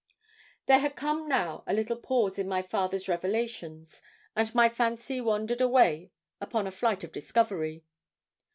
There had come now a little pause in my father's revelations, and my fancy wandered away upon a flight of discovery.